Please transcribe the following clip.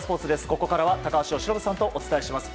ここからは高橋由伸さんとお伝えします。